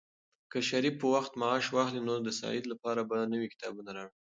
که شریف په وخت معاش واخلي، نو د سعید لپاره به نوي کتابونه راوړي.